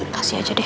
kasih aja deh